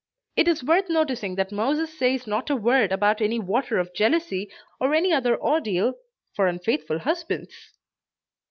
It is worth noticing that Moses says not a word about any "water of jealousy," or any other ordeal, for unfaithful husbands!